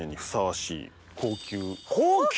高級！